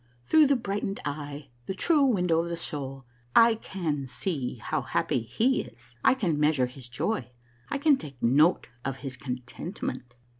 Through the brightened eye — true window of the soul — I can see how happy he is. I can measure his joy ; I can take note of his contentment."